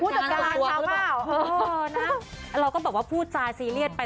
พูดจากการความหรือเปล่าเออนะเราก็บอกว่าพูดซายซีเรียสไป